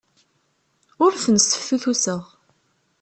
Ur ten-sseftutuseɣ.